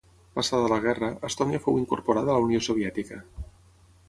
Passada la guerra, Estònia fou incorporada a la Unió Soviètica.